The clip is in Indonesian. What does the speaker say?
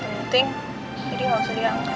jadi gak usah diangkat